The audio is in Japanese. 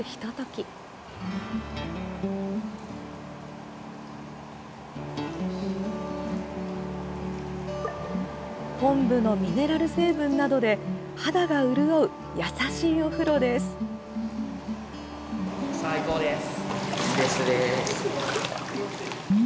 こんぶのミネラル成分などで肌が潤う優しいお風呂です。